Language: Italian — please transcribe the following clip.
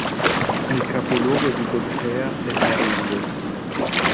Il capoluogo di contea è Marengo.